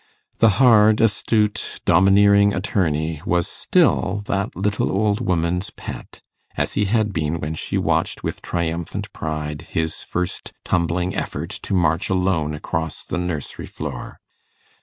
The hard, astute, domineering attorney was still that little old woman's pet, as he had been when she watched with triumphant pride his first tumbling effort to march alone across the nursery floor.